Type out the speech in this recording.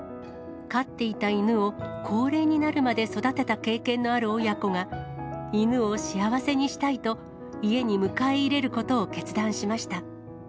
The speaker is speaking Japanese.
飼っていた犬を高齢になるまで育てた経験のある親子が、犬を幸せにしたいと、家に迎え入れることを決断しました。